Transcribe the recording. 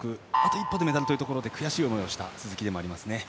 一歩でメダルというところで悔しい思いをした鈴木でもありますね。